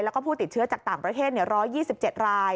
แล้วก็ผู้ติดเชื้อจากต่างประเทศ๑๒๗ราย